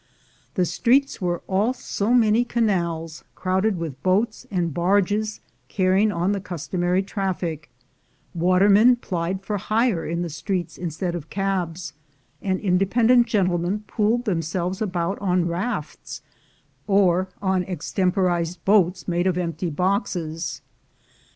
The streets were all so many canals crowded with boats and barges carrying on the customary traffic; water men plied for hire in the streets instead of cabs, and independent gentlemen poled themselves about on rafts, or on extemporized boats made of empty boxes.